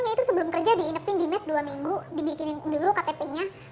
itu sebelum kerja diinapin di mes dua minggu dibikinin dulu ktp nya